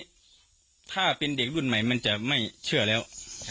ถ้าเป็นเด็กรุ่นใหม่มันจะไม่เชื่อแล้ว